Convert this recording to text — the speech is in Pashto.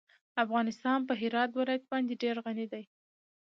افغانستان په هرات ولایت باندې ډېر غني دی.